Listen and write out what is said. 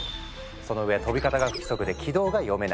そのうえ飛び方が不規則で軌道が読めない。